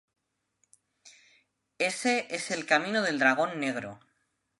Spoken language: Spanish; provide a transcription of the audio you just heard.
Ese es el camino del Dragón Negro.